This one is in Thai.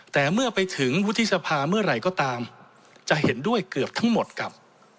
แต่เมื่อไปถึงวุฒิสภาเมื่อไหร่ก็ตามจะเห็นด้วยเกือบทั้งหมดครับ